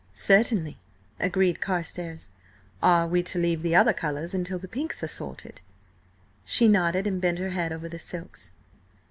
"Certainly," agreed Carstares. "Are we to leave the other colours until the pinks are sorted?" She nodded and bent her head over the silks.